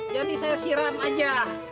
jadi saya siram aja